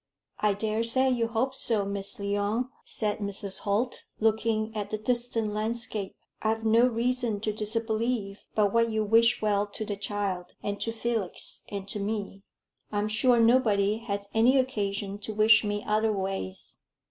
"I dare say you hope so, Miss Lyon," said Mrs. Holt, looking at the distant landscape. "I've no reason to disbelieve but what you wish well to the child, and to Felix, and to me. I'm sure nobody has any occasion to wish me otherways.